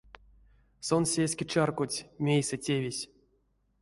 Сон сеске чарькодсь, мейсэ тевесь.